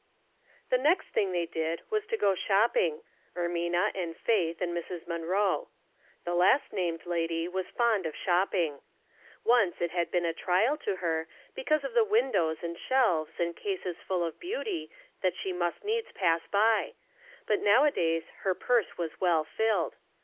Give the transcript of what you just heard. ipHE next thing they did was to go shop* ping — Erminaand Faith and Mrs. Mun roe. The last named lady was fond of shopping. Once it had been a trial to her, because of the windows and shelves and cases full of beauty that she must needs pass by ; but nowadays her purse was well filled.